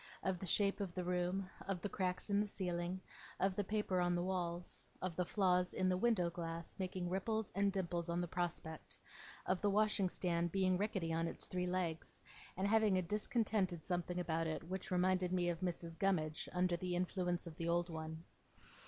Of the shape of the room, of the cracks in the ceiling, of the paper on the walls, of the flaws in the window glass making ripples and dimples on the prospect, of the washing stand being rickety on its three legs, and having a discontented something about it, which reminded me of Mrs. Gummidge under the influence of the old one.